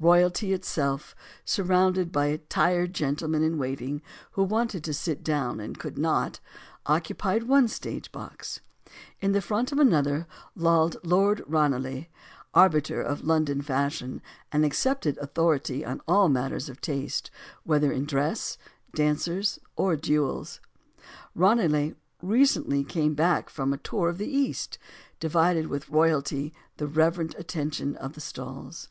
Royalty itself, surrounded by tired gentlemen in waiting who wanted to sit down and could not, oc cupied one stage box. In the front of another, lolled Lord Ranelagh, arbiter of London fashion and ac cepted authority on all matters of taste whether in dress, dancers, or duels. Ranelagh, recently come back from a tour of the East, divided with royalty the reverent attention of the stalls.